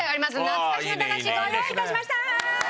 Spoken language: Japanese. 懐かしの駄菓子ご用意いたしました！